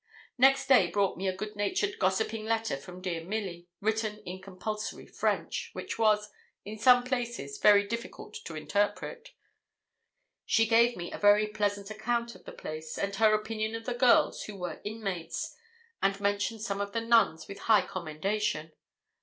Next day brought me a goodnatured gossiping letter from dear Milly, written in compulsory French, which was, in some places, very difficult to interpret. She gave me a very pleasant account of the place, and her opinion of the girls who were inmates, and mentioned some of the nuns with high commendation.